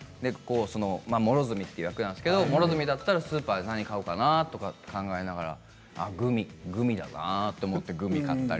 両角という役なんですけど両角だったらスーパーで何を買うかなとか考えながらグミかなと思ってグミを買ったり。